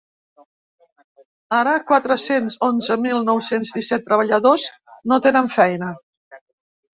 Ara quatre-cents onze mil nou-cents disset treballadors no tenen feina.